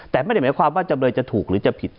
แต่ไม่ได้หมายความว่าจำเลยจะถูกหรือจะผิด